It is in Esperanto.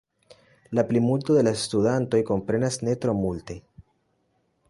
La plimulto de la studantoj komprenas ne tro multe.